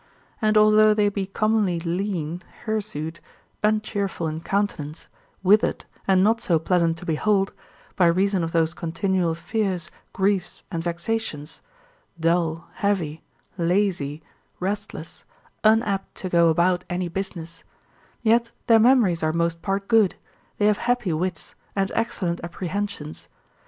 And although they be commonly lean, hirsute, uncheerful in countenance, withered, and not so pleasant to behold, by reason of those continual fears, griefs, and vexations, dull, heavy, lazy, restless, unapt to go about any business; yet their memories are most part good, they have happy wits, and excellent apprehensions.